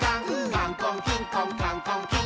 「カンコンキンコンカンコンキン！」